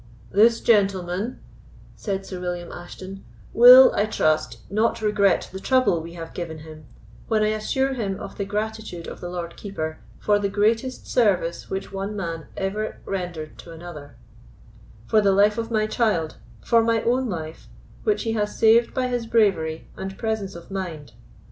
"This gentleman," said Sir William Ashton, "will, I trust, not regret the trouble we have given him, when I assure him of the gratitude of the Lord Keeper for the greatest service which one man ever rendered to another—for the life of my child—for my own life, which he has saved by his bravery and presence of mind.